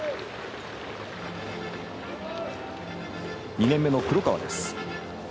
２年目の黒川です。